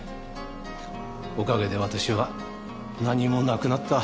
おかげで私は何もなくなった。